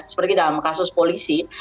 seperti dalam kasus polisi